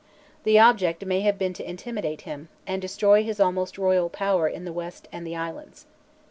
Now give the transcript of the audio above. The object may have been to intimidate him, and destroy his almost royal power in the west and the islands.